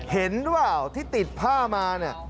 เห็นหรือเปล่าที่ติดผ้ามา